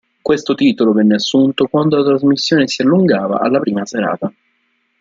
Questo titolo venne assunto quando la trasmissione si allungava alla prima serata.